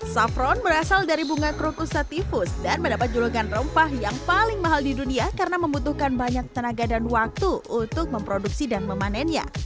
saffron berasal dari bunga crocus sativus dan mendapat julukan rempah yang paling mahal di dunia karena membutuhkan banyak tenaga dan waktu untuk memproduksi dan memanennya